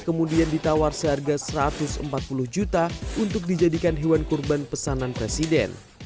kemudian ditawar seharga satu ratus empat puluh juta untuk dijadikan hewan kurban pesanan presiden